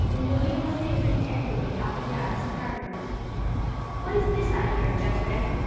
Louis was pacing angrily up and down his apartment. "What is this I hear, gentlemen?"